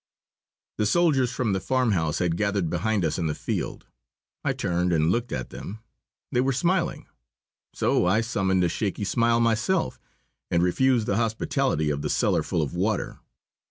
The soldiers from the farmhouse had gathered behind us in the field. I turned and looked at them. They were smiling. So I summoned a shaky smile myself and refused the hospitality of the cellar full of water.